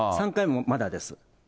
３回目はまだです。